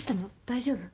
大丈夫？